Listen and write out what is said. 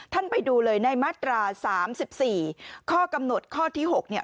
ไปดูเลยในมาตรา๓๔ข้อกำหนดข้อที่๖เนี่ย